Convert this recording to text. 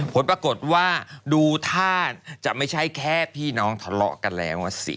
ผลปรากฏว่าดูท่าจะไม่ใช่แค่พี่น้องทะเลาะกันแล้วสิ